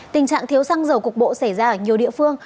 tình trạng thiếu xăng dầu cục bộ xảy ra ở nhiều địa phương